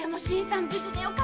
無事でよかった。